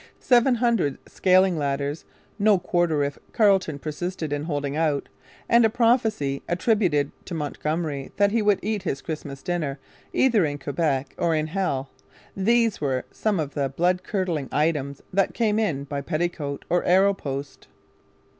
Seven hundred scaling ladders, no quarter if Carleton persisted in holding out, and a prophecy attributed to Montgomery that he would eat his Christmas dinner either in Quebec or in Hell these were some of the blood curdling items that came in by petticoat or arrow post.